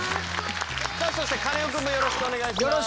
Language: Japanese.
さあそしてカネオくんもよろしくお願いします。